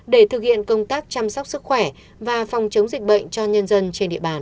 để thực hiện công tác chăm sóc sức khỏe và phòng chống dịch bệnh cho nhân dân trên địa bàn